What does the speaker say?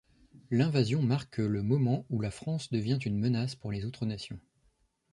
L'invasion marque le moment où la France devient une menace pour les autres nations.